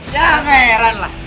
ya gak heran lah